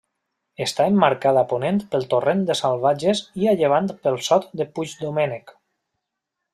Està emmarcada a ponent pel torrent de Salvatges i a llevant pel Sot de Puigdomènec.